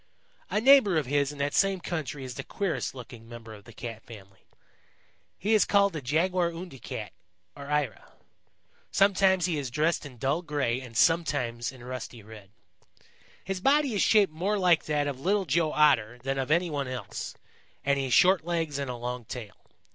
"A neighbor of his in that same country is the queerest looking member of the Cat family. He is called the Jaguarundi Cat or Eyra. Sometimes he is dressed in dull gray and sometimes in rusty red. His body is shaped more like that of Little Joe Otter than of any one else, and he has short legs and a long tail.